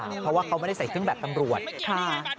เพราะว่าเขาไม่ได้ใส่เครื่องแบบตำรวจค่ะ